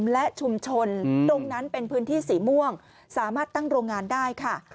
และชุมชนตรงนั้นเป็นพื้นที่สีม่วงสามารถตั้งโรงงานได้ค่ะ